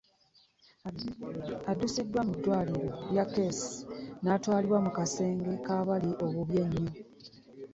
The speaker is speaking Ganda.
Addusiddwa mu ddwaliro lya Case n'atwalibwa mu kasenge ak'abali obubi ennyo